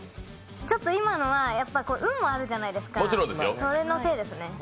ちょっと今のは運もあるじゃないですかそれのせいですね。